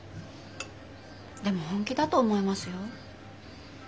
でも本気だと思いますよ。